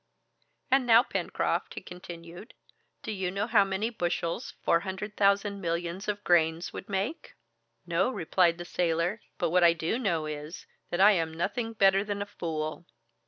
"And now, Pencroft," he continued, "do you know how many bushels four hundred thousand millions of grains would make?" "No," replied the sailor; "but what I do know is, that I am nothing better than a fool!"